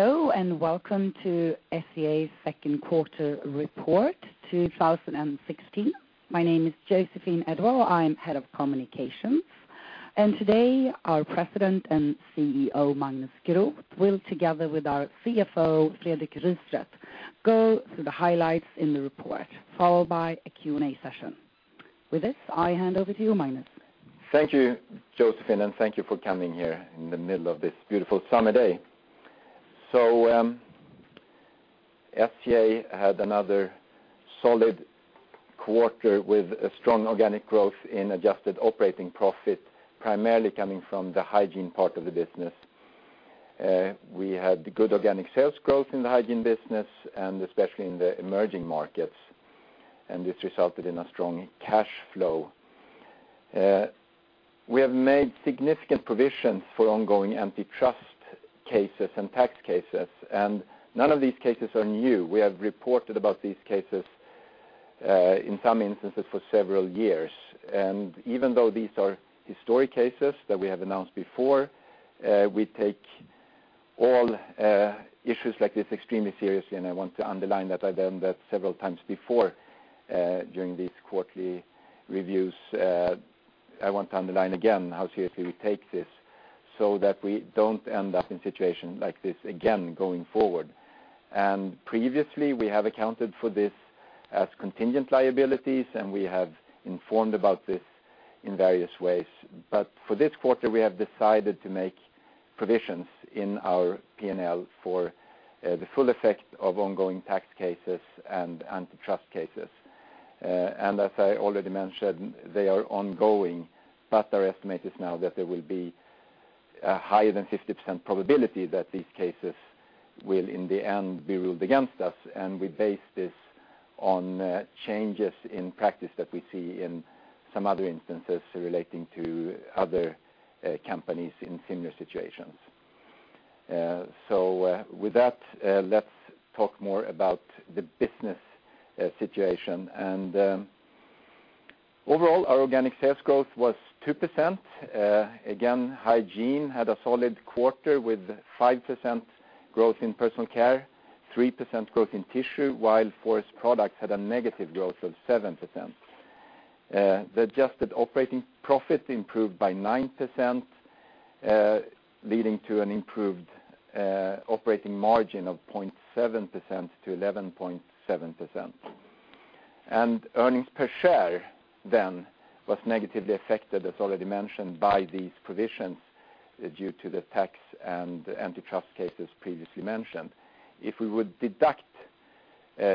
Hello and welcome to SCA's second quarter report, 2016. My name is Josefine Edwall-Björklund. I am head of communications. Today our President and CEO, Magnus Groth, will together with our CFO, Fredrik Rystedt, go through the highlights in the report, followed by a Q&A session. With this, I hand over to you, Magnus. Thank you, Josefine, and thank you for coming here in the middle of this beautiful summer day. SCA had another solid quarter with a strong organic growth in adjusted operating profit, primarily coming from the hygiene part of the business. We had good organic sales growth in the hygiene business, especially in the emerging markets, this resulted in a strong cash flow. We have made significant provisions for ongoing antitrust cases and tax cases. None of these cases are new. We have reported about these cases, in some instances, for several years. Even though these are historic cases that we have announced before, we take all issues like this extremely seriously. I want to underline that I've done that several times before during these quarterly reviews. I want to underline again how seriously we take this so that we don't end up in situations like this again going forward. Previously, we have accounted for this as contingent liabilities. We have informed about this in various ways. For this quarter, we have decided to make provisions in our P&L for the full effect of ongoing tax cases and antitrust cases. As I already mentioned, they are ongoing, but our estimate is now that there will be a higher than 50% probability that these cases will, in the end, be ruled against us. We base this on changes in practice that we see in some other instances relating to other companies in similar situations. With that, let's talk more about the business situation. Overall, our organic sales growth was 2%. Again, hygiene had a solid quarter with 5% growth in Personal Care, 3% growth in tissue, while Forest Products had a negative growth of 7%. The adjusted operating profit improved by 9%, leading to an improved operating margin of 0.7% to 11.7%. Earnings per share, then, was negatively affected, as already mentioned, by these provisions due to the tax and antitrust cases previously mentioned. If we would deduct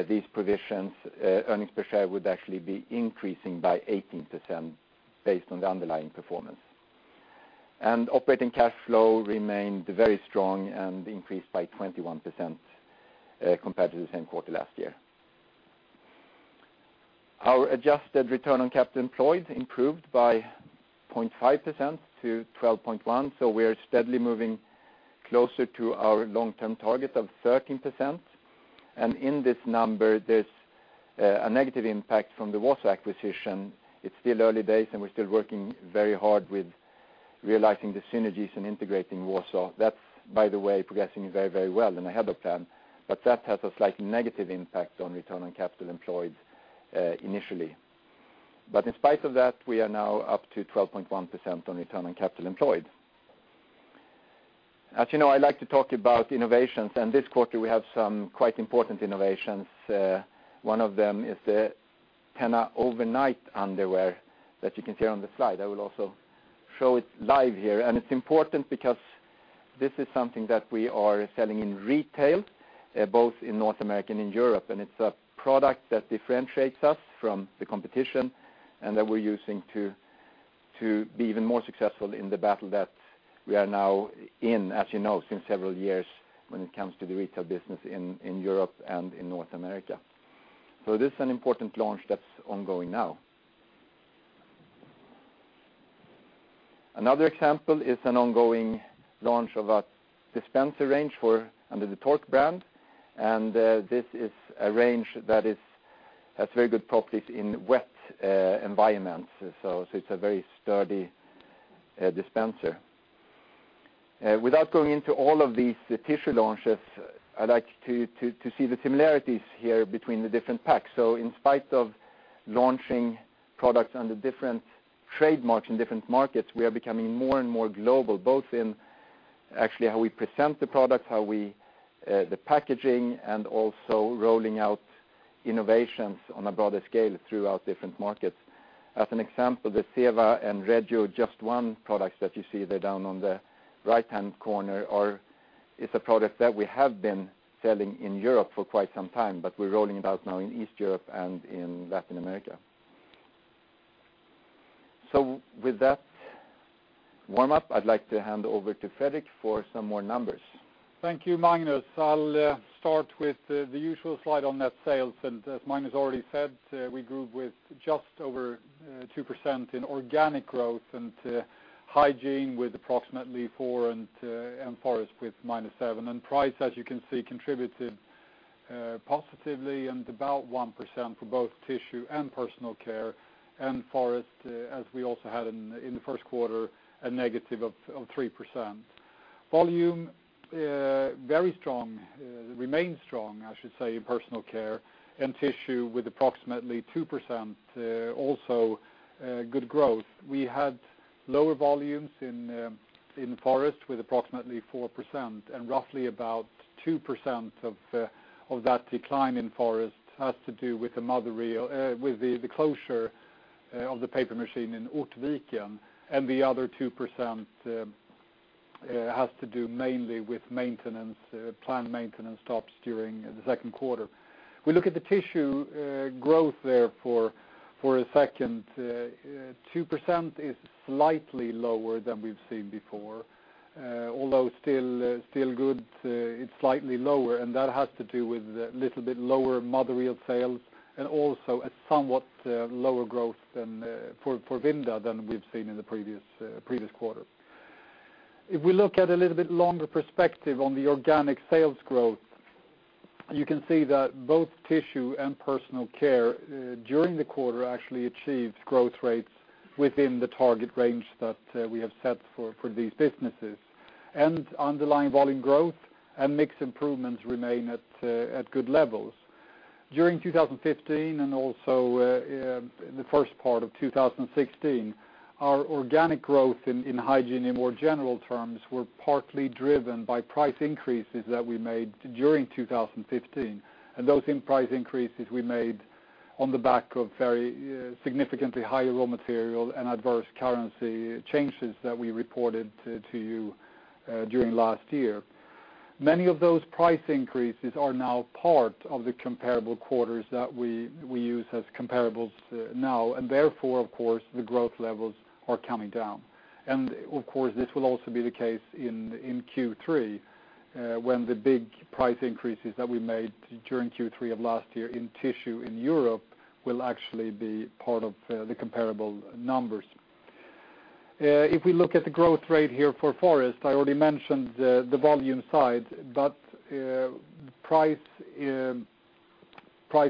these provisions, earnings per share would actually be increasing by 18% based on the underlying performance. Operating cash flow remained very strong and increased by 21% compared to the same quarter last year. Our adjusted return on capital employed improved by 0.5% to 12.1%, so we are steadily moving closer to our long-term target of 13%. In this number, there's a negative impact from the Wausau acquisition. It's still early days. We're still working very hard with realizing the synergies and integrating Wausau. That's, by the way, progressing very well and ahead of plan, but that has a slight negative impact on return on capital employed initially. In spite of that, we are now up to 12.1% on return on capital employed. As you know, I like to talk about innovations. This quarter we have some quite important innovations. One of them is the TENA Overnight underwear that you can see on the slide. I will also show it live here. It's important because this is something that we are selling in retail, both in North America and in Europe. It's a product that differentiates us from the competition and that we're using to be even more successful in the battle that we are now in, as you know, since several years when it comes to the retail business in Europe and in North America. This is an important launch that's ongoing now. Another example is an ongoing launch of our dispenser range under the Tork brand. This is a range that has very good properties in wet environments. It's a very sturdy dispenser. Without going into all of these tissue launches, I'd like you to see the similarities here between the different packs. In spite of launching products under different trademarks in different markets, we are becoming more and more global, both in actually how we present the products, the packaging, and also rolling out innovations on a broader scale throughout different markets. As an example, the Zewa and Regio Just 1 products that you see there down on the right-hand corner is a product that we have been selling in Europe for quite some time. We're rolling it out now in East Europe and in Latin America. With that warm-up, I'd like to hand over to Fredrik for some more numbers. Thank you, Magnus. I'll start with the usual slide on net sales. As Magnus already said, we grew with just over 2% in organic growth. Hygiene with approximately 4% and Forest with minus 7%. Price, as you can see, contributed positively and about 1% for both Tissue and Personal Care and Forest, as we also had in the first quarter, a negative of 3%. Volume very strong, remains strong, I should say, in Personal Care and Tissue with approximately 2%, also good growth. We had lower volumes in Forest with approximately 4%. Roughly about 2% of that decline in Forest has to do with the closure of the paper machine in Ortviken, and the other 2% has to do mainly with planned maintenance stops during the second quarter. We look at the Tissue growth there for a second. 2% is slightly lower than we've seen before. Although still good, it's slightly lower, that has to do with a little bit lower mother reel sales and also a somewhat lower growth for Vinda than we've seen in the previous quarter. If we look at a little bit longer perspective on the organic sales growth, you can see that both Consumer Tissue and Personal Care during the quarter actually achieved growth rates within the target range that we have set for these businesses. Underlying volume growth and mix improvements remain at good levels. During 2015 and also the first part of 2016, our organic growth in hygiene in more general terms were partly driven by price increases that we made during 2015, and those in price increases we made on the back of very significantly higher raw material and adverse currency changes that we reported to you during last year. Many of those price increases are now part of the comparable quarters that we use as comparables now, therefore, of course, the growth levels are coming down. Of course, this will also be the case in Q3, when the big price increases that we made during Q3 of last year in tissue in Europe will actually be part of the comparable numbers. If we look at the growth rate here for Forest Products, I already mentioned the volume side, but price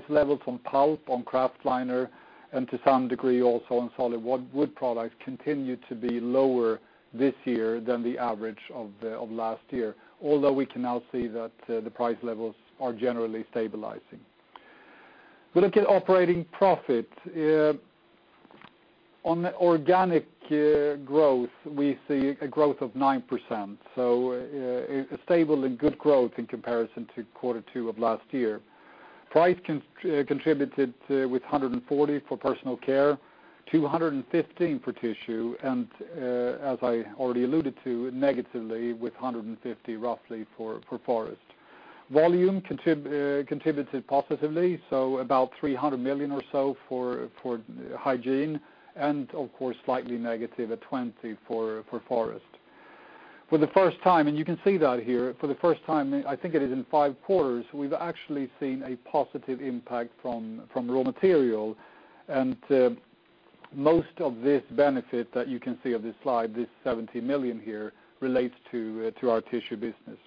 levels on pulp, on kraftliner, and to some degree also on solid-wood products continue to be lower this year than the average of last year. Although we can now see that the price levels are generally stabilizing. We look at operating profit. On organic growth, we see a growth of 9%, so a stable and good growth in comparison to Q2 of last year. Price contributed with 140 for Personal Care, 215 for Consumer Tissue, as I already alluded to, negatively with 150 roughly for Forest Products. Volume contributed positively, about 300 million or so for hygiene, of course slightly negative at 20 for Forest Products. For the first time, you can see that here, for the first time, I think it is in 5 quarters, we've actually seen a positive impact from raw material, most of this benefit that you can see of this slide, this 70 million here, relates to our Consumer Tissue business.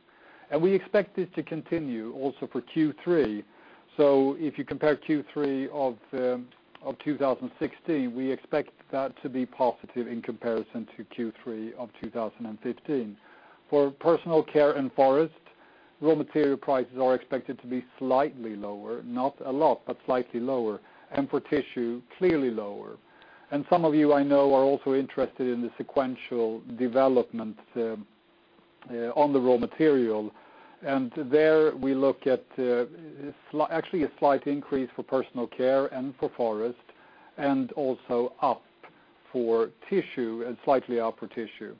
We expect this to continue also for Q3. If you compare Q3 of 2016, we expect that to be positive in comparison to Q3 of 2015. For Personal Care and Forest Products, raw material prices are expected to be slightly lower, not a lot, but slightly lower, and for Consumer Tissue, clearly lower. Some of you, I know, are also interested in the sequential development on the raw material. There we look at actually a slight increase for Personal Care and for Forest Products, also up for Consumer Tissue, and slightly up for Consumer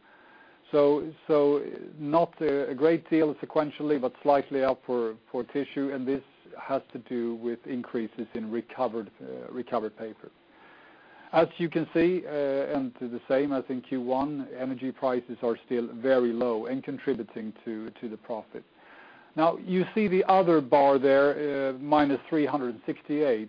Tissue. Not a great deal sequentially, but slightly up for Consumer Tissue, and this has to do with increases in recovered paper. As you can see, the same as in Q1, energy prices are still very low and contributing to the profit. Now you see the other bar there, -368,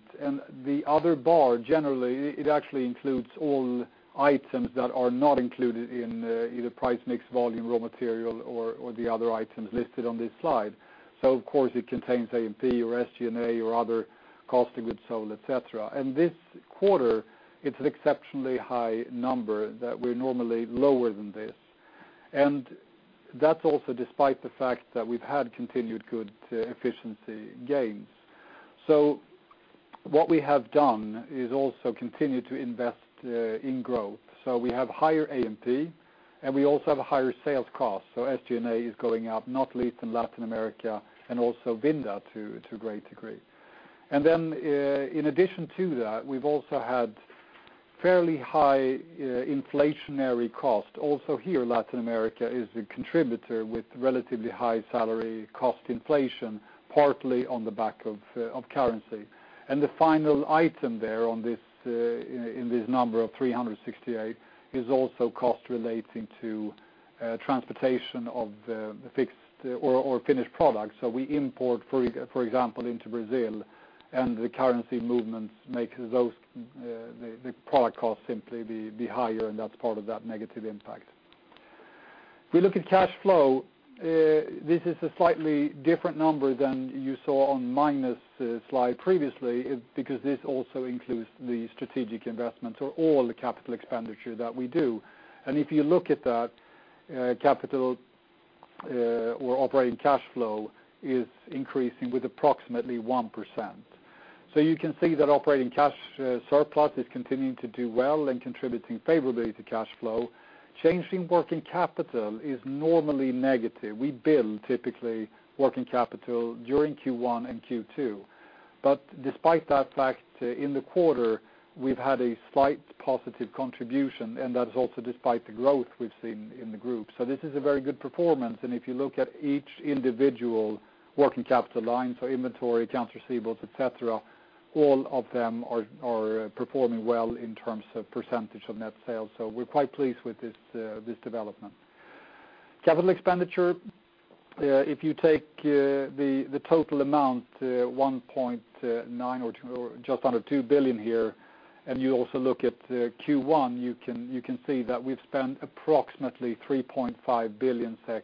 the other bar, generally, it actually includes all items that are not included in either price mix, volume, raw material, or the other items listed on this slide. Of course it contains A&P or SG&A or other COGS, et cetera. This quarter, it's an exceptionally high number that we're normally lower than this. That's also despite the fact that we've had continued good efficiency gains. What we have done is also continue to invest in growth. We have higher A&P, and we also have a higher sales cost. SG&A is going up, not least in Latin America and also Vinda to a great degree. In addition to that, we've also had fairly high inflationary cost. Here, Latin America is a contributor with relatively high salary cost inflation, partly on the back of currency. The final item there in this number of 368 is also cost relating to transportation of the finished product. We import, for example, into Brazil, and the currency movements make the product cost simply be higher, and that's part of that negative impact. If we look at cash flow, this is a slightly different number than you saw on Magnus' slide previously, because this also includes the strategic investment or all the capital expenditure that we do. If you look at that capital or operating cash flow is increasing with approximately 1%. You can see that operating cash surplus is continuing to do well and contributing favorably to cash flow. Change in working capital is normally negative. We bill typically working capital during Q1 and Q2, but despite that fact, in the quarter, we've had a slight positive contribution, and that is also despite the growth we've seen in the group. This is a very good performance. If you look at each individual working capital line, so inventory, accounts receivables, et cetera, all of them are performing well in terms of percentage of net sales. We're quite pleased with this development. Capital expenditure, if you take the total amount, 1.9 billion or just under 2 billion here, and you also look at Q1, you can see that we've spent approximately 3.5 billion SEK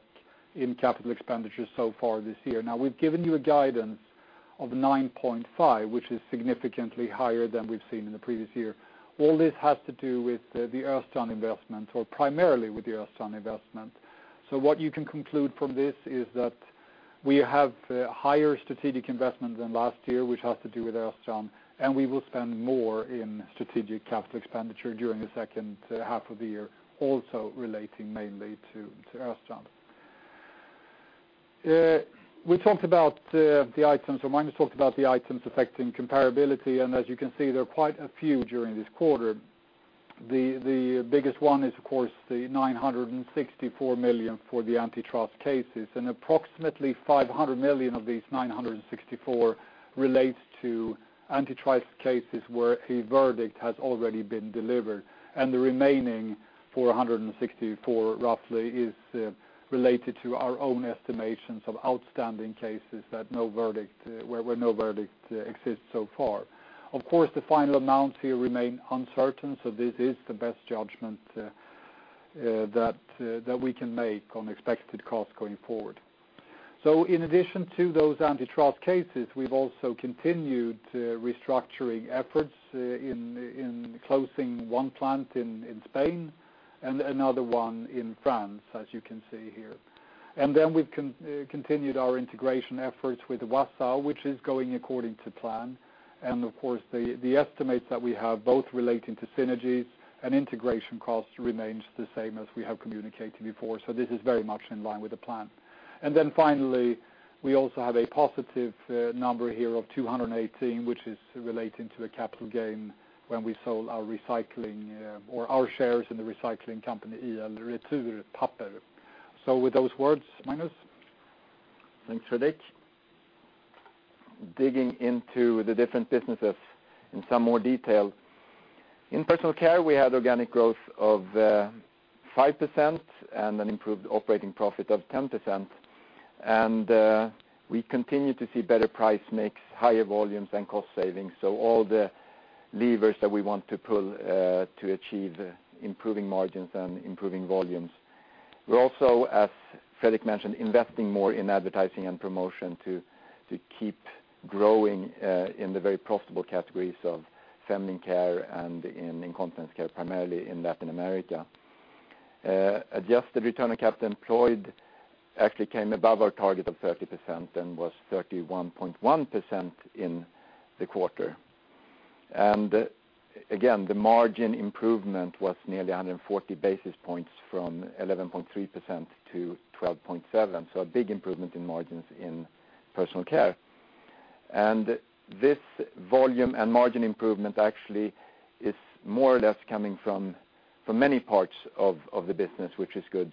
in capital expenditures so far this year. We've given you a guidance of 9.5 billion, which is significantly higher than we've seen in the previous year. All this has to do with the Östrand investment, or primarily with the Östrand investment. What you can conclude from this is that we have higher strategic investment than last year, which has to do with Östrand, and we will spend more in strategic capital expenditure during the second half of the year, also relating mainly to Östrand. We talked about the items, or Magnus talked about the items affecting comparability, and as you can see, there are quite a few during this quarter. The biggest one is, of course, the 964 million for the antitrust cases, and approximately 500 million of these 964 relates to antitrust cases where a verdict has already been delivered, and the remaining 464 roughly is related to our own estimations of outstanding cases where no verdict exists so far. Of course, the final amount here remains uncertain. This is the best judgment that we can make on expected costs going forward. In addition to those antitrust cases, we've also continued restructuring efforts in closing one plant in Spain and another one in France, as you can see here. We've continued our integration efforts with Wausau, which is going according to plan. Of course, the estimates that we have both relating to synergies and integration costs remain the same as we have communicated before. This is very much in line with the plan. Finally, we also have a positive number here of 218, which is relating to a capital gain when we sold our recycling or our shares in the recycling company, IL Returpapper. With those words, Magnus? Thanks, Fredrik. Digging into the different businesses in some more detail. In Personal Care, we had organic growth of 5% and an improved operating profit of 10%. We continue to see better price mix, higher volumes, and cost savings. All the levers that we want to pull to achieve improving margins and improving volumes. We're also, as Fredrik mentioned, investing more in advertising and promotion to keep growing in the very profitable categories of feminine care and in incontinence care, primarily in Latin America. Adjusted return on capital employed actually came above our target of 30% and was 31.1% in the quarter. Again, the margin improvement was nearly 140 basis points from 11.3% to 12.7%. A big improvement in margins in Personal Care. This volume and margin improvement actually is more or less coming from many parts of the business, which is good.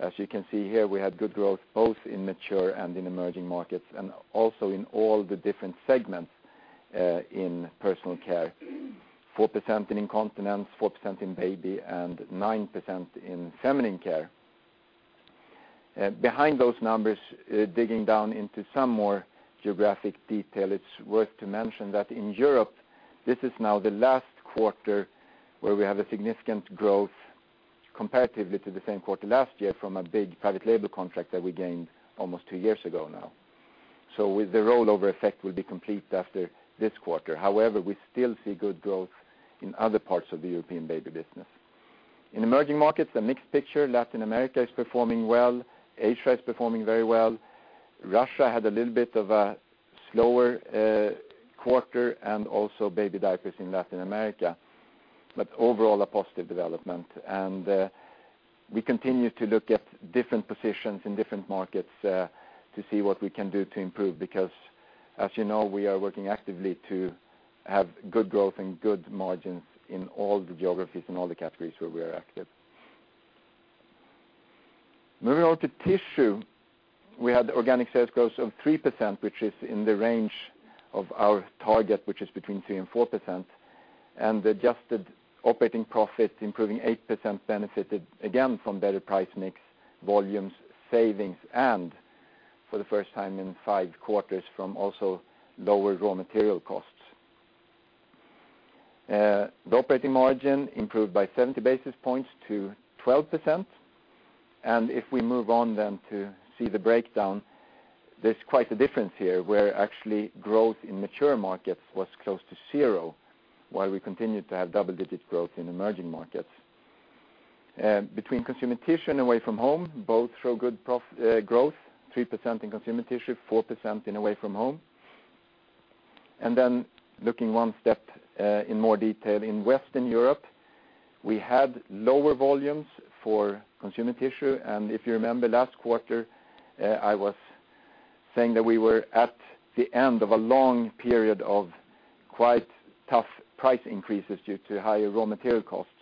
As you can see here, we had good growth both in mature and in emerging markets, and also in all the different segments in Personal Care, 4% in incontinence, 4% in baby, and 9% in feminine care. Behind those numbers, digging down into some more geographic detail, it's worth to mention that in Europe, this is now the last quarter where we have a significant growth comparatively to the same quarter last year from a big private label contract that we gained almost two years ago now. With the rollover effect will be complete after this quarter. However, we still see good growth in other parts of the European baby business. In emerging markets, a mixed picture. Latin America is performing well. Asia is performing very well. Russia had a little bit of a slower quarter and also baby diapers in Latin America, but overall a positive development. We continue to look at different positions in different markets to see what we can do to improve because, as you know, we are working actively to have good growth and good margins in all the geographies, in all the categories where we are active. Moving on to Tissue. We had organic sales growth of 3%, which is in the range of our target, which is between 3% and 4%. The adjusted operating profit improving 8% benefited again from better price mix, volumes, savings, and for the first time in five quarters from also lower raw material costs. The operating margin improved by 70 basis points to 12%. If we move on to see the breakdown, there's quite a difference here, where actually growth in mature markets was close to zero, while we continued to have double-digit growth in emerging markets. Between Consumer Tissue and Away-from-Home, both show good growth, 3% in Consumer Tissue, 4% in Away-from-Home. Looking one step in more detail, in Western Europe, we had lower volumes for Consumer Tissue. If you remember last quarter, I was saying that we were at the end of a long period of quite tough price increases due to higher raw material costs.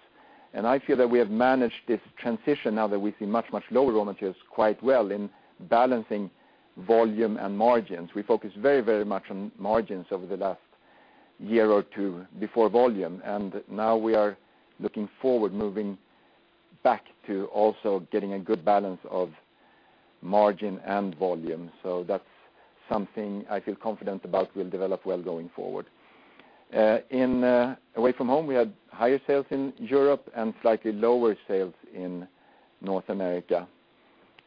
I feel that we have managed this transition, now that we see much lower raw materials, quite well in balancing volume and margins. We focused very much on margins over the last year or two before volume, and now we are looking forward, moving back to also getting a good balance of margin and volume. That's something I feel confident about will develop well going forward. In Away-from-Home, we had higher sales in Europe and slightly lower sales in North America.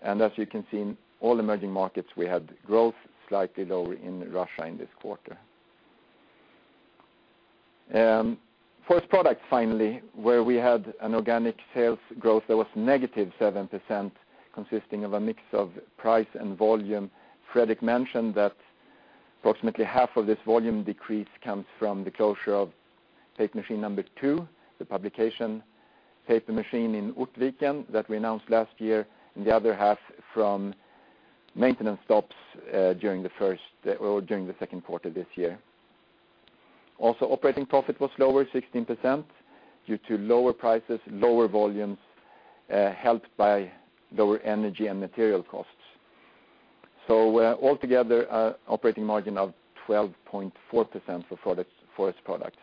As you can see, in all emerging markets, we had growth, slightly lower in Russia in this quarter. Forest Products, finally, where we had an organic sales growth that was negative 7%, consisting of a mix of price and volume. Fredrik mentioned that approximately half of this volume decrease comes from the closure of paper machine number 2, the publication paper machine in Ortviken that we announced last year, and the other half from maintenance stops during the second quarter this year. Operating profit was lower, 16%, due to lower prices, lower volumes, helped by lower energy and material costs. Altogether, operating margin of 12.4% for Forest Products.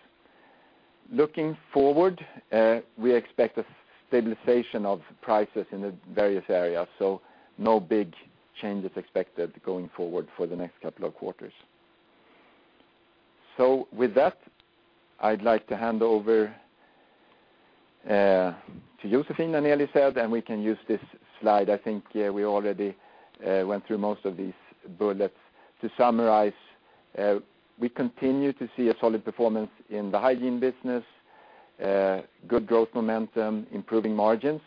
Looking forward, we expect a stabilization of prices in the various areas, no big changes expected going forward for the next couple of quarters. With that, I'd like to hand over to Josefine and [Elised], and we can use this slide. I think we already went through most of these bullets. To summarize, we continue to see a solid performance in the hygiene business, good growth momentum, improving margins,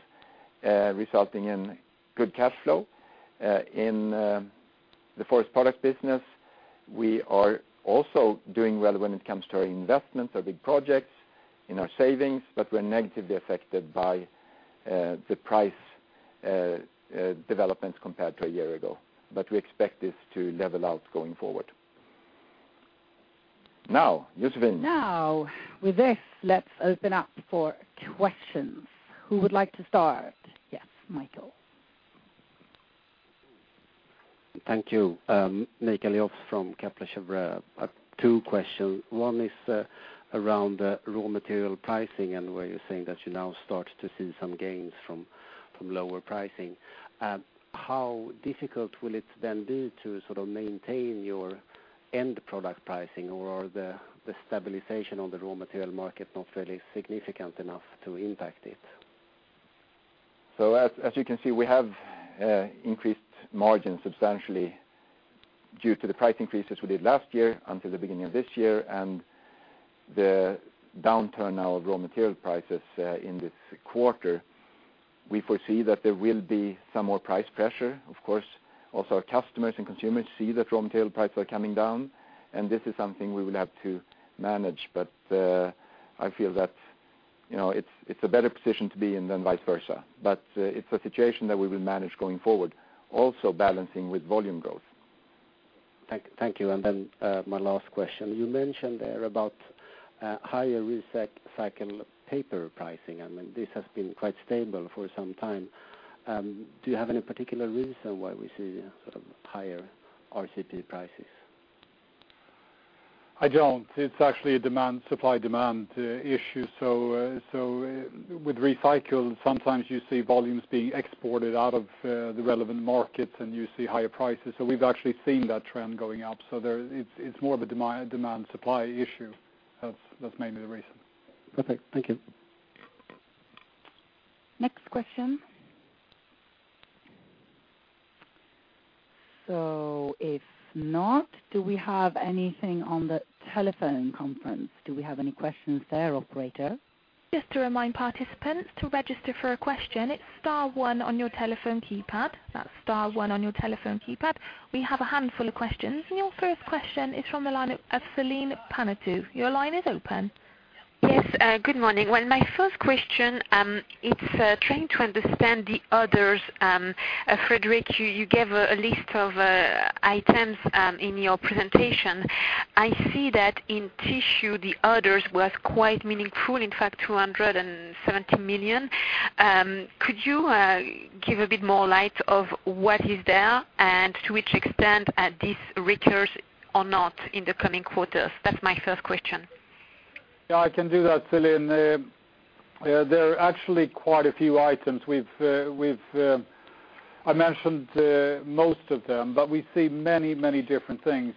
resulting in good cash flow. In the Forest Products business, we are also doing well when it comes to our investments, our big projects in our savings, but we're negatively affected by the price developments compared to a year ago. We expect this to level out going forward. Now, Josefine. With this, let's open up for questions. Who would like to start? Yes, Mikael. Thank you. Mikael Jåfs from Kepler Cheuvreux. I've two questions. One is around the raw material pricing and where you're saying that you now start to see some gains from lower pricing. How difficult will it then be to maintain your end product pricing, or the stabilization on the raw material market not really significant enough to impact it? As you can see, we have increased margin substantially due to the price increases we did last year until the beginning of this year, and the downturn now of raw material prices in this quarter. We foresee that there will be some more price pressure. Of course, also our customers and consumers see that raw material prices are coming down, and this is something we will have to manage. I feel that it's a better position to be in than vice versa. It's a situation that we will manage going forward, also balancing with volume growth. Thank you. My last question. You mentioned there about higher recycled paper pricing. This has been quite stable for some time. Do you have any particular reason why we see higher RCP prices? I don't. It's actually a supply-demand issue. With recycle, sometimes you see volumes being exported out of the relevant markets, and you see higher prices. We've actually seen that trend going up. It's more of a demand-supply issue. That's mainly the reason. Perfect. Thank you. Next question? If not, do we have anything on the telephone conference? Do we have any questions there, operator? Just to remind participants to register for a question. It's star one on your telephone keypad. That's star one on your telephone keypad. We have a handful of questions. Your first question is from the line of Celine Pannuti. Your line is open. Yes, good morning. My first question, it's trying to understand the others. Fredrik, you gave a list of items in your presentation. I see that in Tissue, the others were quite meaningful, in fact, 270 million. Could you give a bit more light of what is there and to which extent this recurs or not in the coming quarters? That's my first question. Yeah, I can do that, Celine. There are actually quite a few items. I mentioned most of them, but we see many different things.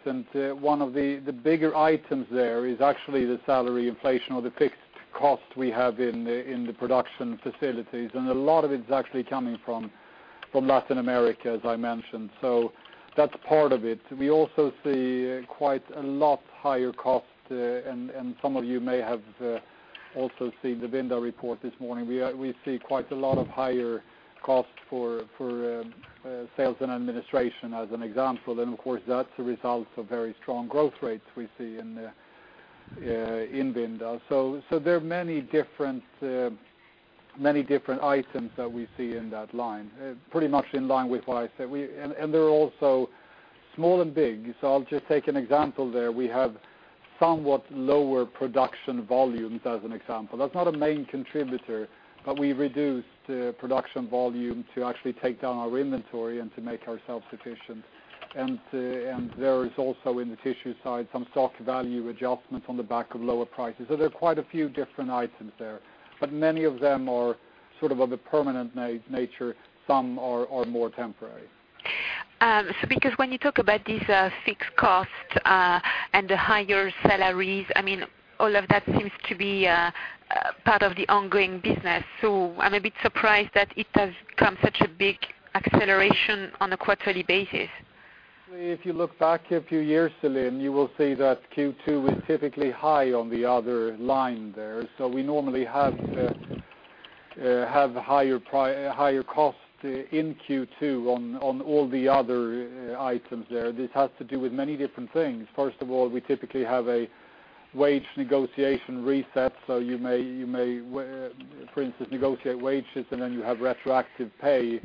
One of the bigger items there is actually the salary inflation or the fixed cost we have in the production facilities, a lot of it is actually coming from Latin America, as I mentioned. That's part of it. We also see quite a lot higher cost, some of you may have also seen the Vinda report this morning. We see quite a lot of higher cost for sales and administration as an example. Of course, that's a result of very strong growth rates we see in Vinda. There are many different items that we see in that line, pretty much in line with what I said. They're also small and big. I'll just take an example there. We have somewhat lower production volumes, as an example. That's not a main contributor, but we reduced production volume to actually take down our inventory and to make ourselves efficient. There is also, in the tissue side, some stock value adjustments on the back of lower prices. There are quite a few different items there, but many of them are of a permanent nature. Some are more temporary. Because when you talk about these fixed costs and the higher salaries, all of that seems to be part of the ongoing business. I'm a bit surprised that it has become such a big acceleration on a quarterly basis. If you look back a few years, Celine, you will see that Q2 is typically high on the other line there. We normally have higher costs in Q2 on all the other items there. This has to do with many different things. First of all, we typically have a wage negotiation reset. You may, for instance, negotiate wages, and then you have retroactive pay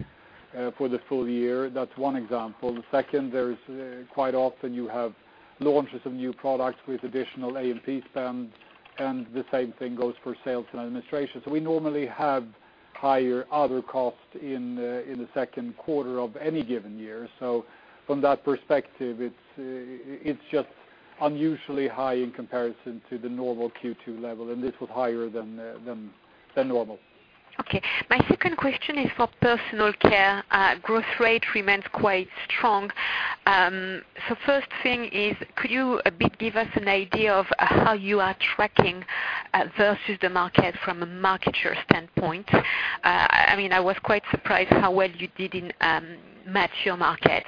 for the full year. That's one example. The second, there is quite often you have launches of new products with additional A&P spend, the same thing goes for sales and administration. We normally have higher other costs in the second quarter of any given year. From that perspective, it's just unusually high in comparison to the normal Q2 level, and this was higher than normal. Okay. My second question is for Personal Care. Growth rate remains quite strong. First thing is, could you a bit give us an idea of how you are tracking versus the market from a market share standpoint? I was quite surprised how well you didn't match your market.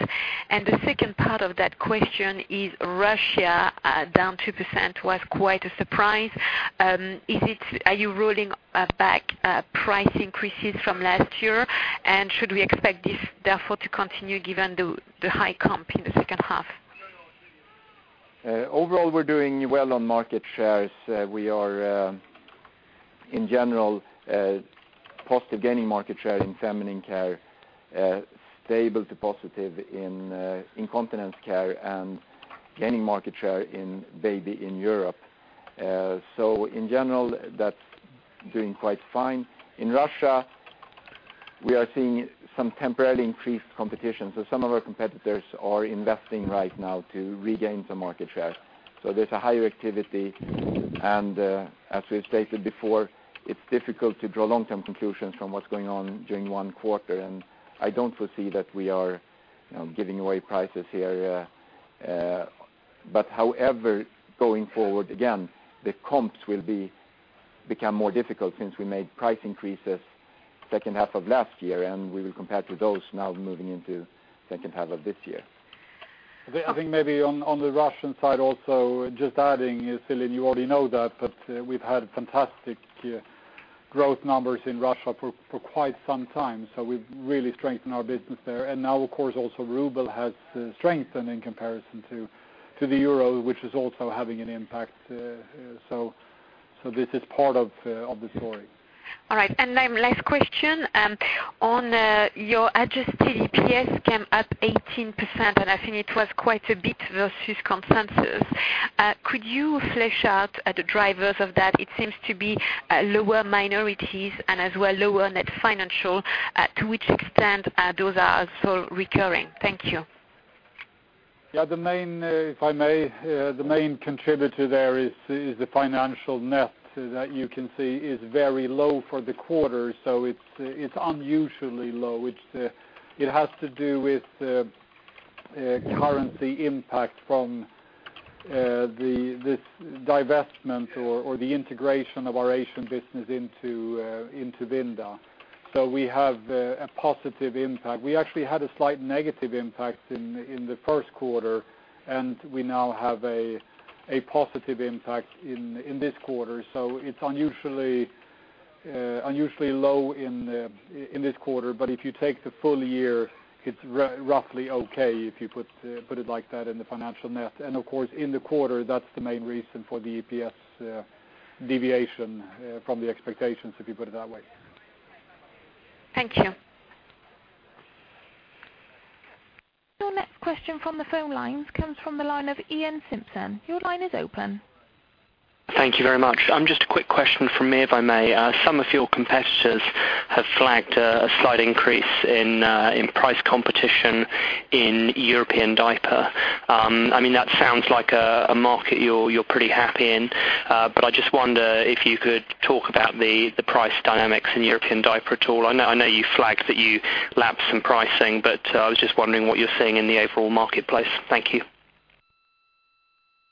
The second part of that question is Russia, down 2% was quite a surprise. Are you rolling back price increases from last year, and should we expect this therefore to continue given the high comp in the second half? Overall, we're doing well on market shares. We are, in general, positive gaining market share in feminine care, stable to positive in incontinence care, and gaining market share in baby in Europe. In general, that's doing quite fine. In Russia, we are seeing some temporarily increased competition. Some of our competitors are investing right now to regain some market share. There's a higher activity, as we've stated before, it's difficult to draw long-term conclusions from what's going on during one quarter. I don't foresee that we are giving away prices here. However, going forward, again, the comps will become more difficult since we made price increases second half of last year. We will compare to those now moving into second half of this year. I think maybe on the Russian side also, just adding, Celine, you already know that, we've had fantastic growth numbers in Russia for quite some time. We've really strengthened our business there. Now, of course, also ruble has strengthened in comparison to the euro, which is also having an impact. This is part of the story. All right. Last question. On your adjusted EPS came up 18%. I think it was quite a bit versus consensus. Could you flesh out the drivers of that? It seems to be lower minorities as well lower net financial. To which extent those are also recurring? Thank you. If I may, the main contributor there is the financial net that you can see is very low for the quarter, it's unusually low. It has to do with currency impact from this divestment or the integration of our Asian business into Vinda. We have a positive impact. We actually had a slight negative impact in the first quarter, and we now have a positive impact in this quarter. It's unusually low in this quarter. If you take the full year, it's roughly okay, if you put it like that in the financial net. Of course, in the quarter, that's the main reason for the EPS deviation from the expectations, if you put it that way. Thank you. Your next question from the phone lines comes from the line of Iain Simpson. Your line is open. Thank you very much. Just a quick question from me, if I may. Some of your competitors have flagged a slight increase in price competition in European diaper. That sounds like a market you're pretty happy in. I just wonder if you could talk about the price dynamics in European diaper at all. I know you flagged that you lapped some pricing, but I was just wondering what you're seeing in the overall marketplace. Thank you.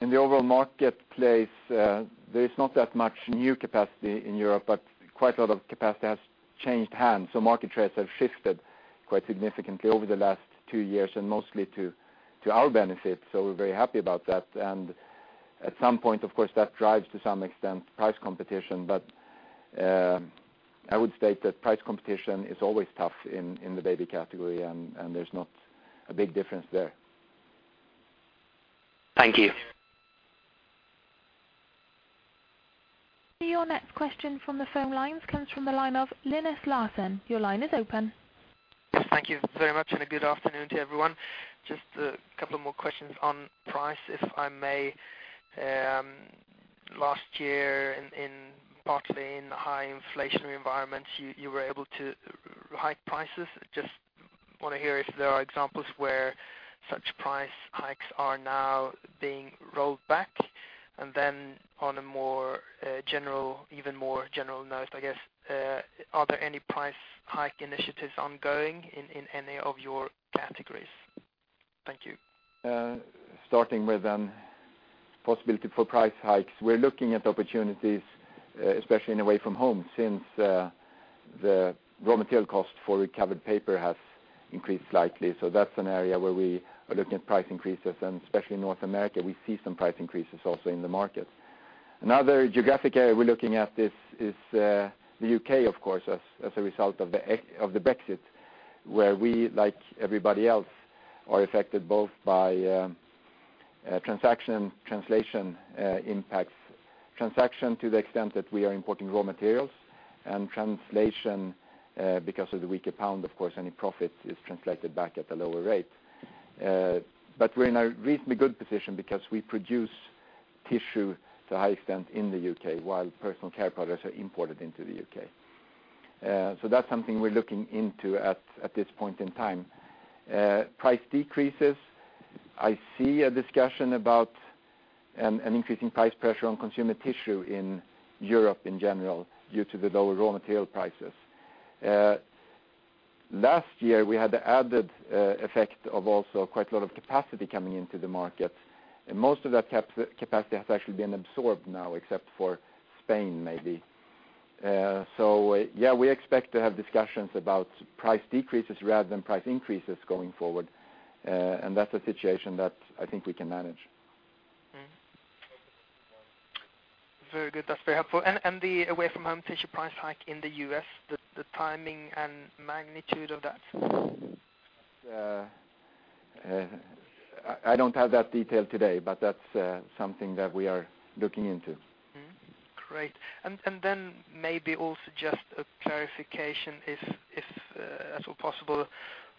In the overall marketplace, there is not that much new capacity in Europe, but quite a lot of capacity has changed hands. Market trades have shifted quite significantly over the last two years, and mostly to our benefit. We're very happy about that. At some point, of course, that drives to some extent price competition. I would state that price competition is always tough in the baby category, and there's not a big difference there. Thank you. Your next question from the phone lines comes from the line of Linus Larsson. Your line is open. Thank you very much, a good afternoon to everyone. Just a couple of more questions on price, if I may. Last year in partly in high inflationary environments, you were able to hike prices. Just want to hear if there are examples where such price hikes are now being rolled back. Then on a even more general note, I guess, are there any price hike initiatives ongoing in any of your categories? Thank you. Starting with possibility for price hikes. We're looking at opportunities, especially in Away-from-Home, since the raw material cost for recovered paper has increased slightly. That's an area where we are looking at price increases, and especially in North America, we see some price increases also in the market. Another geographic area we're looking at is the U.K., of course, as a result of the Brexit, where we, like everybody else, are affected both by transaction, translation impacts. Transaction to the extent that we are importing raw materials, and translation because of the weaker pound, of course, any profit is translated back at a lower rate. We're in a reasonably good position because we produce tissue to a high extent in the U.K., while Personal Care products are imported into the U.K. That's something we're looking into at this point in time. Price decreases, I see a discussion about an increasing price pressure on Consumer Tissue in Europe in general due to the lower raw material prices. Last year, we had the added effect of also quite a lot of capacity coming into the market, and most of that capacity has actually been absorbed now, except for Spain, maybe. Yeah, we expect to have discussions about price decreases rather than price increases going forward. That's a situation that I think we can manage. Very good. That's very helpful. The Away-from-Home tissue price hike in the U.S., the timing and magnitude of that? I don't have that detail today, that's something that we are looking into. Great. Maybe also just a clarification, if at all possible,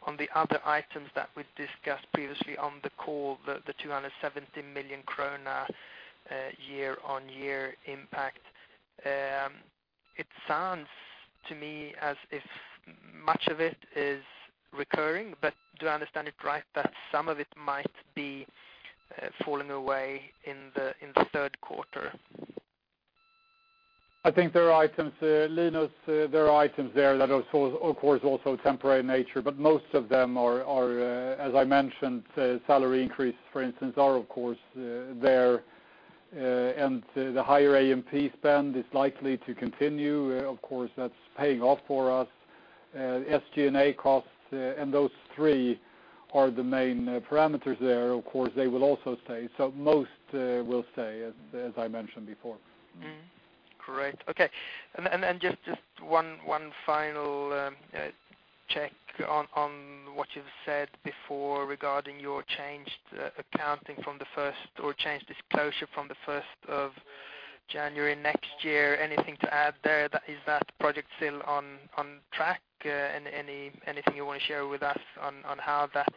on the other items that we've discussed previously on the call, the 270 million kronor year-on-year impact. It sounds to me as if much of it is recurring, but do I understand it right that some of it might be falling away in the third quarter? I think there are items, Linus, there are items there that are of course also temporary in nature, but most of them are as I mentioned, salary increase, for instance, are of course there. The higher A&P spend is likely to continue. Of course, that's paying off for us. SG&A costs, and those three are the main parameters there. Of course, they will also stay. Most will stay, as I mentioned before. Great. Okay. Just one final check on what you've said before regarding your changed accounting from the first, or changed disclosure from the 1st of January next year. Anything to add there? Is that project still on track? Anything you want to share with us on how that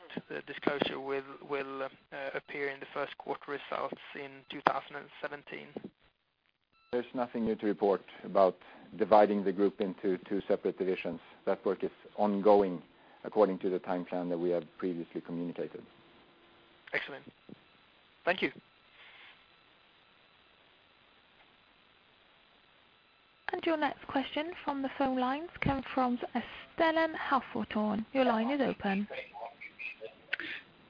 disclosure will appear in the first quarter results in 2017? There's nothing new to report about dividing the group into two separate divisions. That work is ongoing according to the time plan that we have previously communicated. Excellent. Thank you. Your next question from the phone lines comes from Stellan Hafström. Your line is open.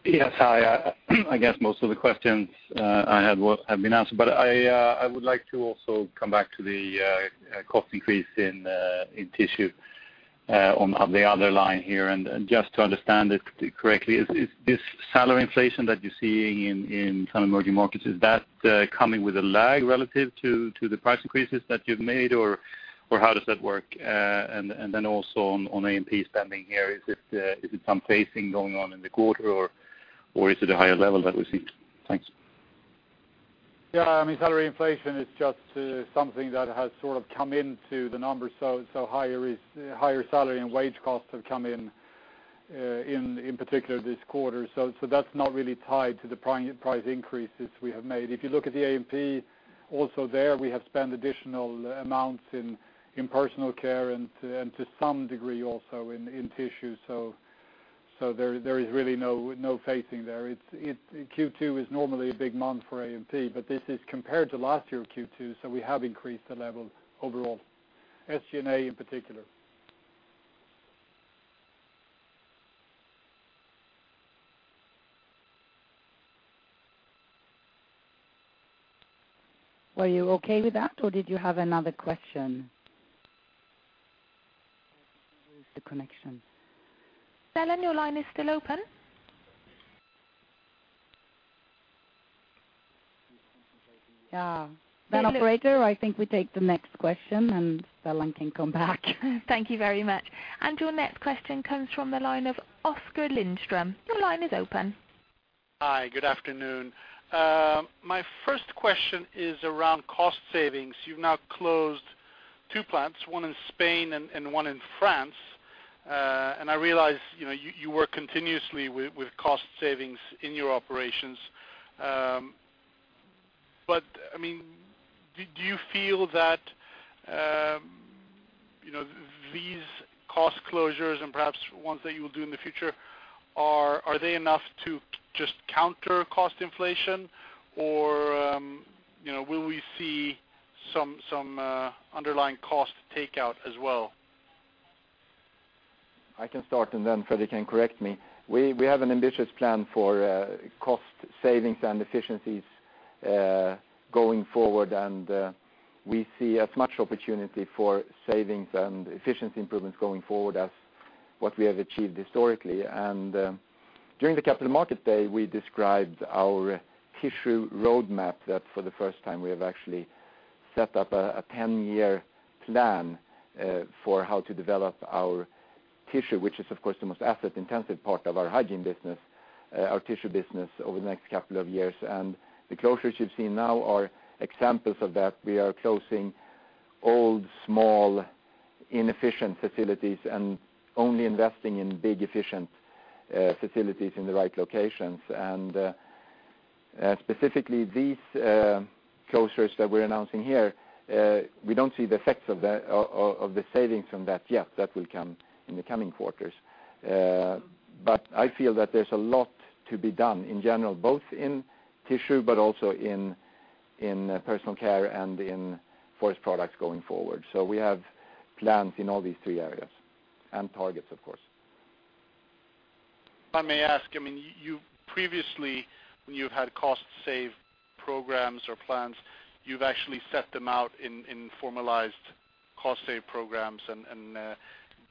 Yes. Hi. I guess most of the questions I had have been answered. I would like to also come back to the cost increase in tissue on the other line here, and just to understand it correctly, is this salary inflation that you're seeing in some emerging markets, is that coming with a lag relative to the price increases that you've made or how does that work? Also on A&P spending here, is it some phasing going on in the quarter or is it a higher level that we see? Thanks. Yeah, salary inflation is just something that has sort of come into the numbers, so higher salary and wage costs have come in particular this quarter. That's not really tied to the price increases we have made. If you look at the A&P, also there we have spent additional amounts in Personal Care and to some degree also in tissue. There is really no phasing there. Q2 is normally a big month for A&P, but this is compared to last year Q2. We have increased the level overall, SG&A in particular. Were you okay with that, or did you have another question? I think she lost the connection. Stellan, your line is still open. Yeah. Yeah, Operator, I think we take the next question, and Stellan can come back. Thank you very much. Your next question comes from the line of Oskar Lindström. Your line is open. Hi, good afternoon. My first question is around cost savings. You've now closed two plants, one in Spain and one in France. I realize you work continuously with cost savings in your operations. Do you feel that these cost closures and perhaps ones that you will do in the future, are they enough to just counter cost inflation, or will we see some underlying cost takeout as well? I can start, then Fredrik can correct me. We have an ambitious plan for cost savings and efficiencies going forward, and we see as much opportunity for savings and efficiency improvements going forward as what we have achieved historically. During the Capital Markets Day, we described our tissue roadmap that for the first time, we have actually set up a 10-year plan for how to develop our tissue, which is, of course, the most asset-intensive part of our hygiene business, our tissue business, over the next couple of years. The closures you've seen now are examples of that. We are closing old, small, inefficient facilities and only investing in big, efficient facilities in the right locations. Specifically, these closures that we're announcing here, we don't see the effects of the savings from that yet. That will come in the coming quarters. I feel that there's a lot to be done in general, both in tissue but also in Personal Care and in Forest Products going forward. We have plans in all these three areas and targets, of course. If I may ask, previously when you've had cost save programs or plans, you've actually set them out in formalized cost save programs and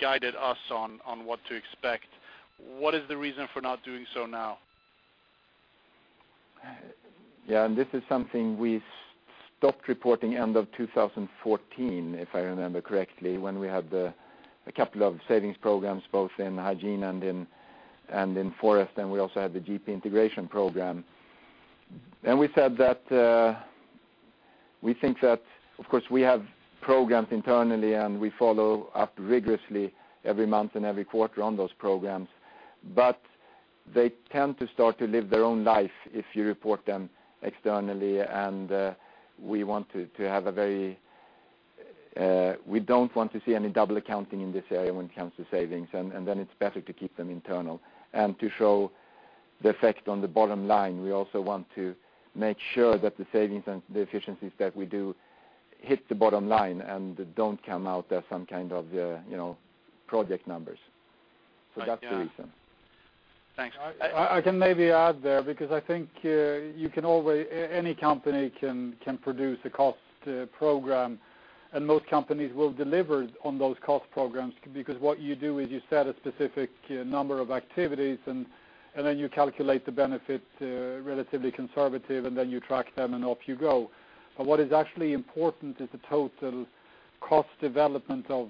guided us on what to expect. What is the reason for not doing so now? Yeah, this is something we stopped reporting end of 2014, if I remember correctly, when we had a couple of savings programs both in hygiene and in forest, and we also had the Georgia-Pacific integration program. We said that we think that, of course, we have programs internally, and we follow up rigorously every month and every quarter on those programs. They tend to start to live their own life if you report them externally, and we don't want to see any double accounting in this area when it comes to savings. Then it's better to keep them internal and to show the effect on the bottom line. We also want to make sure that the savings and the efficiencies that we do hit the bottom line and don't come out as some kind of project numbers. I- That's the reason. Thanks. I can maybe add there because I think any company can produce a cost program, and most companies will deliver on those cost programs because what you do is you set a specific number of activities, and then you calculate the benefit relatively conservative, and then you track them, and off you go. What is actually important is the total cost development of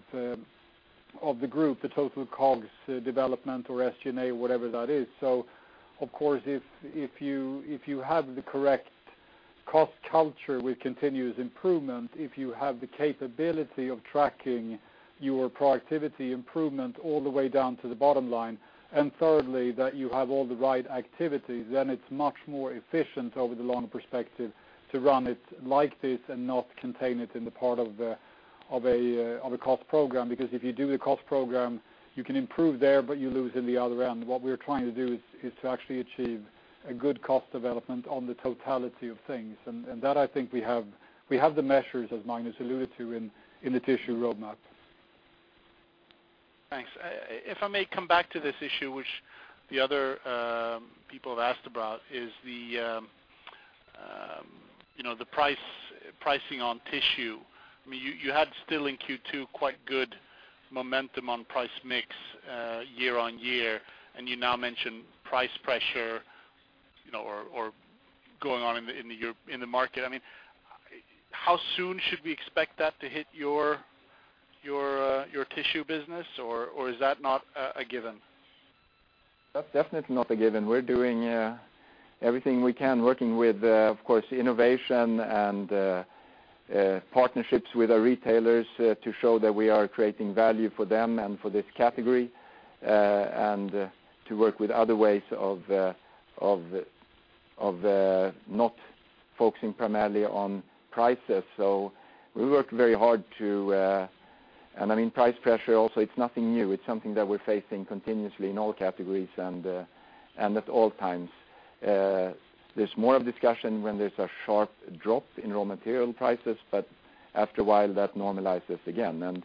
the group, the total COGS development or SG&A, whatever that is. Of course, if you have the correct cost culture with continuous improvement, if you have the capability of tracking your productivity improvement all the way down to the bottom line, and thirdly, that you have all the right activities, it's much more efficient over the long perspective to run it like this and not contain it in the part of a cost program. If you do a cost program, you can improve there, but you lose in the other end. What we're trying to do is to actually achieve a good cost development on the totality of things. That I think we have the measures, as Magnus alluded to, in the tissue roadmap. Thanks. If I may come back to this issue, which the other people have asked about, is the pricing on tissue. You had still in Q2 quite good momentum on price mix year-on-year, you now mention price pressure going on in the market. How soon should we expect that to hit your tissue business, or is that not a given? That's definitely not a given. We're doing everything we can, working with, of course, innovation and partnerships with our retailers to show that we are creating value for them and for this category, to work with other ways of not focusing primarily on prices. We work very hard. Price pressure also, it's nothing new. It's something that we're facing continuously in all categories and at all times. There's more of discussion when there's a sharp drop in raw material prices, after a while, that normalizes again.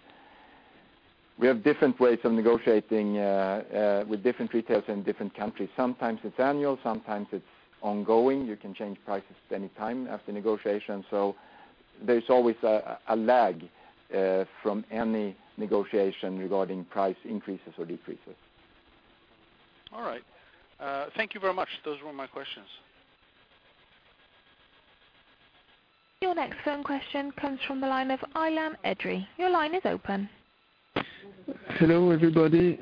We have different ways of negotiating with different retailers in different countries. Sometimes it's annual, sometimes it's ongoing. You can change prices any time after negotiation. There's always a lag from any negotiation regarding price increases or decreases. All right. Thank you very much. Those were my questions. Your next phone question comes from the line of Ilan Edri. Your line is open. Hello, everybody.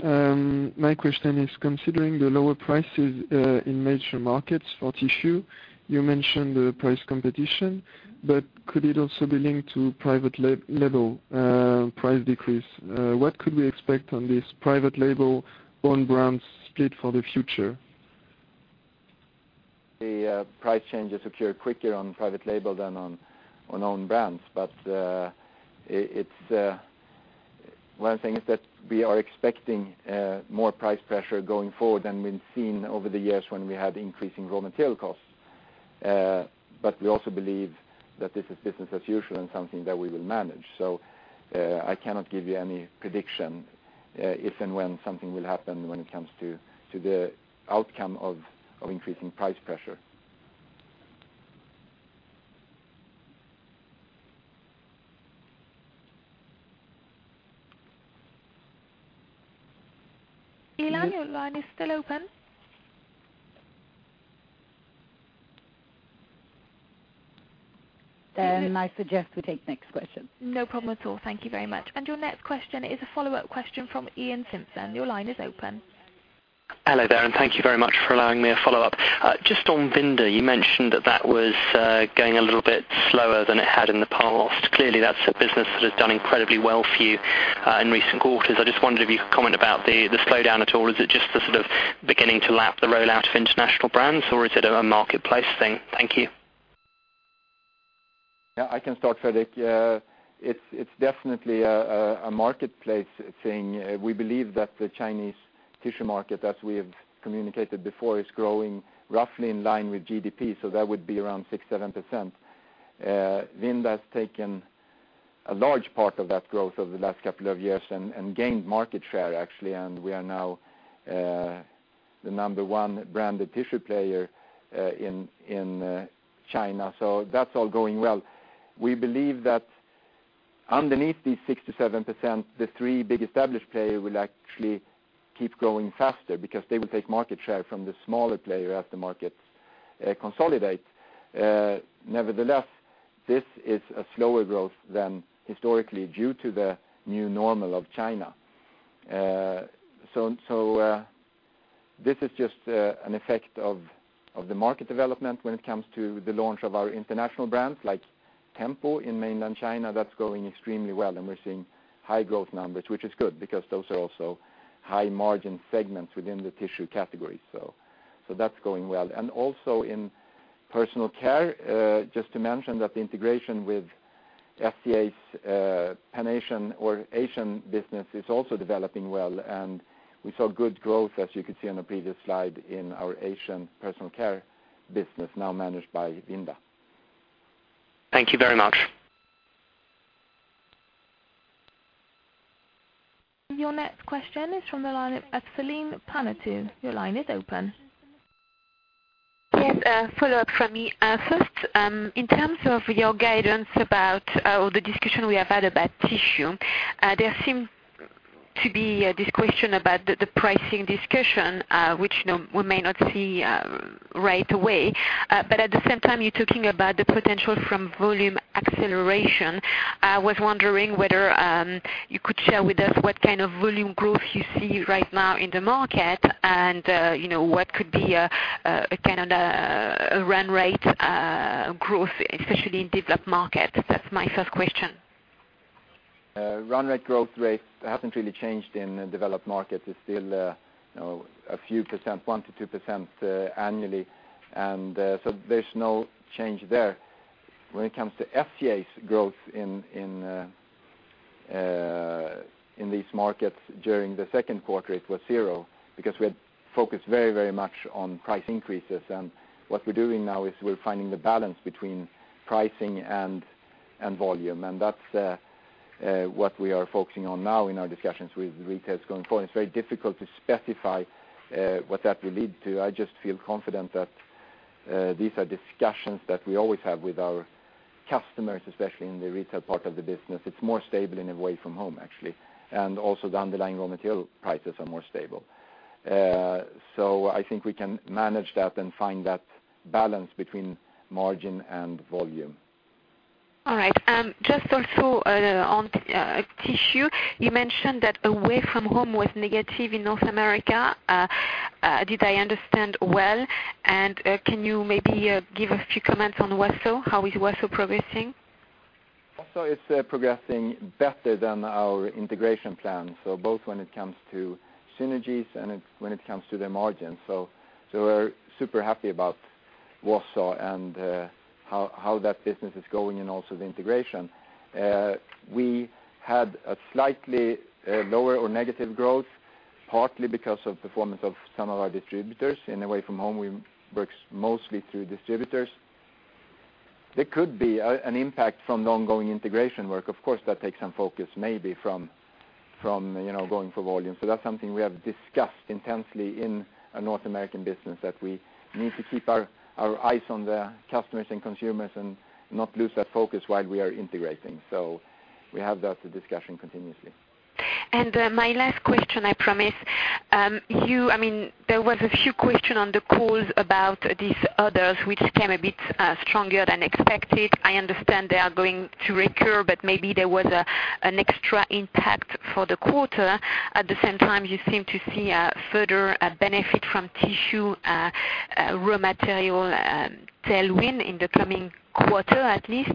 My question is, considering the lower prices in major markets for tissue, you mentioned the price competition, could it also be linked to private label price decrease? What could we expect on this private label/own brands split for the future? The price changes occur quicker on private label than on own brands. One of the things that we are expecting more price pressure going forward than we've seen over the years when we had increasing raw material costs. We also believe that this is business as usual and something that we will manage. I cannot give you any prediction if and when something will happen when it comes to the outcome of increasing price pressure. Ilan, your line is still open. I suggest we take next question. No problem at all. Thank you very much. Your next question is a follow-up question from Iain Simpson. Your line is open. Hello there, thank you very much for allowing me a follow-up. Just on Vinda, you mentioned that that was going a little bit slower than it had in the past. Clearly, that's a business that has done incredibly well for you in recent quarters. I just wondered if you could comment about the slowdown at all. Is it just the sort of beginning to lap the rollout of international brands or is it a marketplace thing? Thank you. I can start, Fredrik. It's definitely a marketplace thing. We believe that the Chinese tissue market, as we have communicated before, is growing roughly in line with GDP, that would be around six, 7%. Vinda has taken a large part of that growth over the last couple of years and gained market share, actually, and we are now the number one branded tissue player in China. That's all going well. We believe that underneath these 6%-7%, the three big established player will actually keep growing faster because they will take market share from the smaller player as the markets consolidate. This is a slower growth than historically due to the new normal of China. This is just an effect of the market development when it comes to the launch of our international brands like Tempo in mainland China. That's going extremely well. We're seeing high growth numbers, which is good because those are also high margin segments within the tissue category. That's going well. Also in Personal Care, just to mention that the integration with SCA's Pan-Asian or Asian business is also developing well, and we saw good growth as you could see on the previous slide in our Asian Personal Care business now managed by Vinda. Thank you very much. Your next question is from the line of Celine Pannuti. Your line is open. Yes, a follow-up from me. First, in terms of your guidance about all the discussion we have had about tissue, there seem to be this question about the pricing discussion, which we may not see right away. At the same time, you're talking about the potential from volume acceleration. I was wondering whether you could share with us what kind of volume growth you see right now in the market and what could be a kind of a run rate growth, especially in developed markets. That's my first question. Run rate growth rate hasn't really changed in developed markets. It's still a few percent, 1%-2% annually. There's no change there. When it comes to SCA's growth in these markets during the Q2, it was zero because we had focused very much on price increases, and what we're doing now is we're finding the balance between pricing and volume. That's what we are focusing on now in our discussions with retailers going forward. It's very difficult to specify what that will lead to. I just feel confident that these are discussions that we always have with our customers, especially in the retail part of the business. It's more stable and Away-from-Home, actually. Also the underlying raw material prices are more stable. I think we can manage that and find that balance between margin and volume. All right. Just also on tissue, you mentioned that Away-from-Home was negative in North America. Did I understand well? Can you maybe give a few comments on Wausau? How is Wausau progressing? Wausau is progressing better than our integration plan. Both when it comes to synergies and when it comes to the margin. We're super happy about that Wausau, and how that business is going and also the integration. We had a slightly lower or negative growth, partly because of performance of some of our distributors. In Away-from-Home, we works mostly through distributors. There could be an impact from the ongoing integration work. Of course, that takes some focus maybe from going for volume. That's something we have discussed intensely in our North American business, that we need to keep our eyes on the customers and consumers and not lose that focus while we are integrating. We have that discussion continuously. My last question, I promise. There was a few question on the calls about these others, which came a bit stronger than expected. I understand they are going to recur, but maybe there was an extra impact for the quarter. At the same time, you seem to see a further benefit from tissue, raw material tailwind in the coming quarter, at least.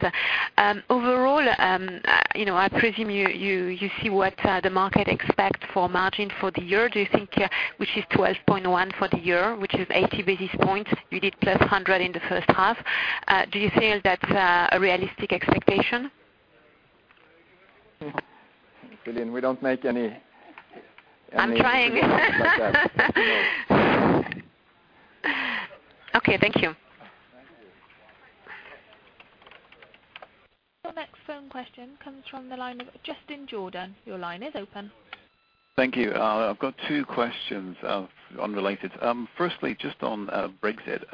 Overall, I presume you see what the market expect for margin for the year. Do you think, which is 12.1% for the year, which is 80 basis points, you did +100 basis points in the first half. Do you feel that's a realistic expectation? Celine, we don't make any- I'm trying. like that. Okay, thank you. Thank you. Your next phone question comes from the line of Justin Jordan. Your line is open. Thank you. I've got two questions, unrelated. Firstly, just on Brexit.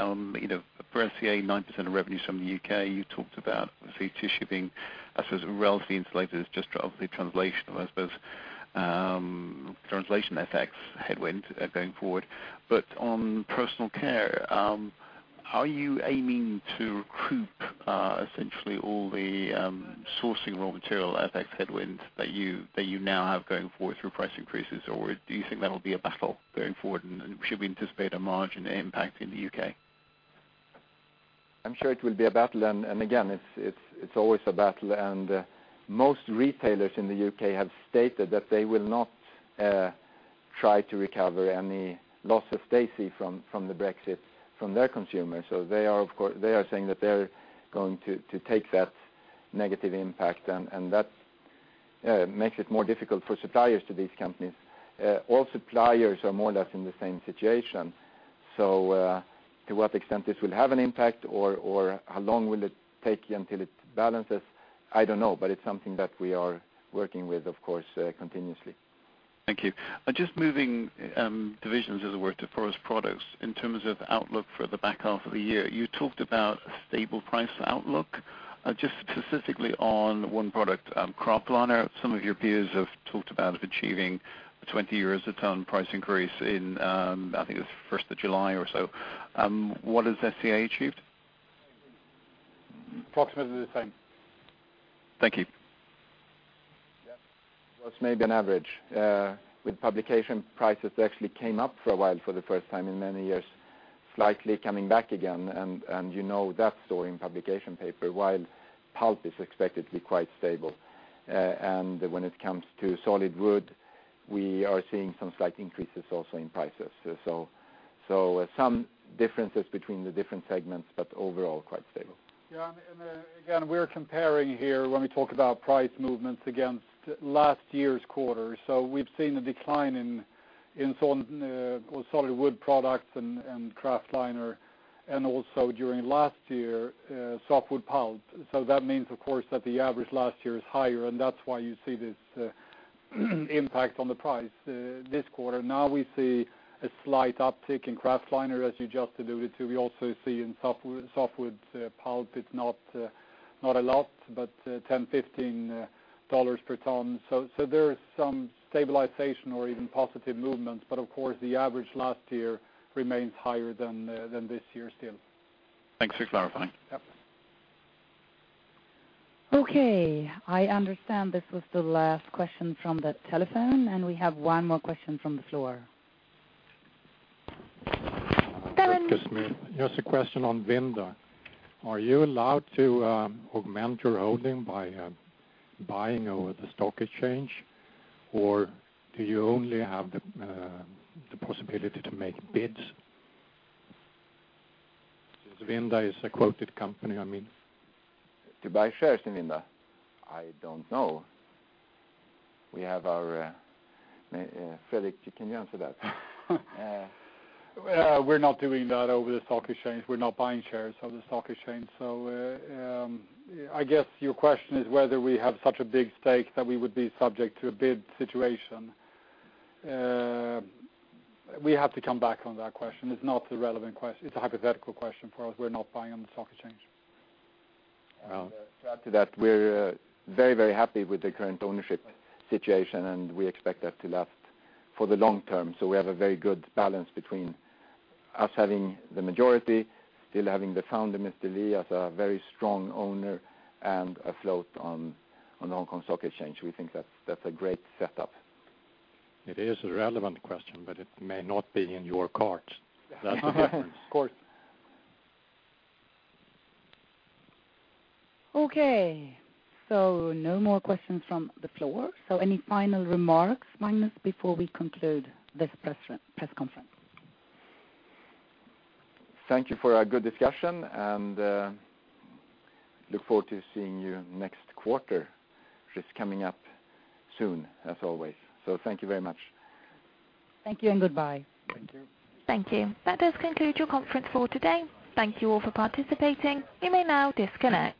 For SCA, 90% of revenue is from the U.K. You talked about tissue being, I suppose, relatively insulated as just obviously translation, I suppose. Translation effects headwind going forward. On Personal Care, are you aiming to recoup essentially all the sourcing raw material effects headwind that you now have going forward through price increases? Or do you think that'll be a battle going forward, and should we anticipate a margin impact in the U.K.? I'm sure it will be a battle, again, it's always a battle, and most retailers in the U.K. have stated that they will not try to recover any losses they see from the Brexit from their consumers. They are saying that they're going to take that negative impact, and that makes it more difficult for suppliers to these companies. All suppliers are more or less in the same situation. To what extent this will have an impact or how long will it take until it balances, I don't know. It's something that we are working with, of course, continuously. Thank you. Just moving divisions, as it were, to Forest Products, in terms of outlook for the back half of the year. You talked about a stable price outlook. Just specifically on one product, kraftliner. Some of your peers have talked about achieving 20 euros a ton price increase in, I think it was the 1st of July or so. What has SCA achieved? Approximately the same. Thank you. Yeah. Well, it's maybe an average. With publication prices actually came up for a while for the first time in many years, slightly coming back again, and you know that story in publication paper, while pulp is expected to be quite stable. When it comes to solid-wood, we are seeing some slight increases also in prices. Some differences between the different segments, but overall, quite stable. Again, we're comparing here, when we talk about price movements against last year's quarter. We've seen a decline in solid-wood products and kraftliner, and also during last year, softwood pulp. That means, of course, that the average last year is higher, and that's why you see this impact on the price this quarter. Now we see a slight uptick in kraftliner, as you just alluded to. We also see in softwood pulp, it's not a lot, but $10, $15 per ton. There is some stabilization or even positive movements. Of course, the average last year remains higher than this year still. Thanks for clarifying. Yep. Okay, I understand this was the last question from the telephone. We have one more question from the floor. Kevin. Just a question on Vinda. Are you allowed to augment your holding by buying over the stock exchange? Do you only have the possibility to make bids? Since Vinda is a quoted company, I mean. To buy shares in Vinda? I don't know. We have our Fredrik, can you answer that? We're not doing that over the stock exchange. We're not buying shares on the stock exchange. I guess your question is whether we have such a big stake that we would be subject to a bid situation. We have to come back on that question. It's not a relevant question. It's a hypothetical question for us. We're not buying on the stock exchange. To add to that, we're very, very happy with the current ownership situation, and we expect that to last for the long term. We have a very good balance between us having the majority, still having the founder, Li Chaowang, as a very strong owner, and a float on Hong Kong Stock Exchange. We think that's a great setup. It is a relevant question, it may not be in your court. That's the difference. Of course. Okay, so no more questions from the floor. Any final remarks, Magnus, before we conclude this press conference? Thank you for a good discussion, and look forward to seeing you next quarter, which is coming up soon, as always. Thank you very much. Thank you, and goodbye. Thank you. Thank you. That does conclude your conference for today. Thank you all for participating. You may now disconnect.